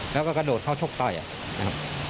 แล้วก็กระโดดเข้าชกต่อยนะครับ